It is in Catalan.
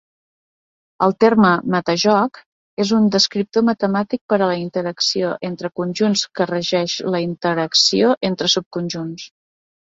El terme "metajoc" és un descriptor matemàtic per a la interacció entre conjunts que regeix la interacció entre subconjunts.